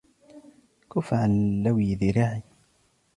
كف عن لوي ذراعي!